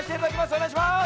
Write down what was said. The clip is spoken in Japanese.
おねがいします。